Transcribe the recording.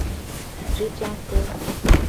芝加哥